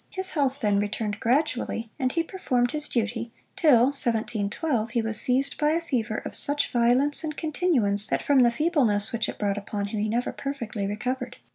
His health then returned gradually, and he performed his duty, till (1712) he was seized by a fever of such violence and continuance, that from the feebleness which it brought upon him, he never perfectly recovered.